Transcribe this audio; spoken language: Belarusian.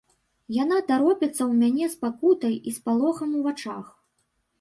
Яна таропіцца ў мяне з пакутай і спалохам у вачах.